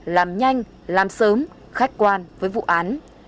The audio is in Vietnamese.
làm nhanh làm sớm khách quan với vụ án